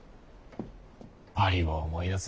パリを思い出す。